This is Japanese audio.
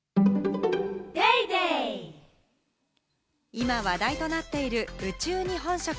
今話題となっている宇宙日本食。